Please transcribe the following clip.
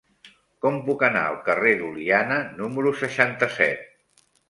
Com puc anar al carrer d'Oliana número seixanta-set?